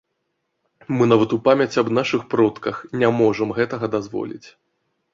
Мы нават у памяць аб нашых продках не можам гэтага дазволіць.